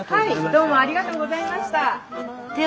はいどうもありがとうございました。